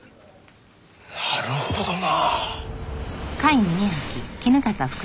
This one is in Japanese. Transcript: なるほどな。